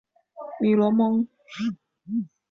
米罗蒙。